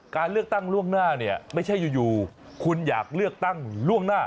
การเลือกตั้งล่วงหน้าเนี่ยไม่ใช่อยู่คุณอยากเลือกตั้งล่วงหน้า